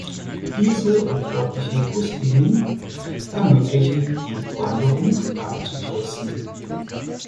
Diese und örtliche Buslinien ermöglichen die Wanderung abzukürzen.